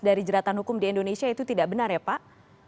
dari jeratan hukum di indonesia itu tidak benar ya pak